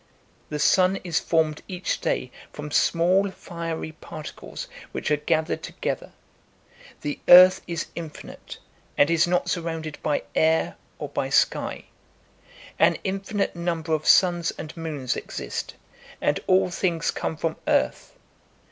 The sun is formed each day from small fiery particles which are gathered together ; the earth is infinite, and is not surrounded by air or by sky ; an infinite number of suns and moons exist, and all things come from earth.